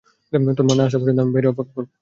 তোর মা না আসা পর্যন্ত আমি বাহিরে অপেক্ষা করব।